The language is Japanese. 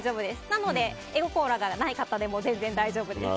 なので絵心がない方でも全然、大丈夫です。